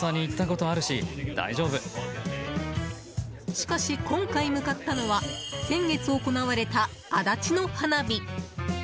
しかし、今回向かったのは先月行われた足立の花火。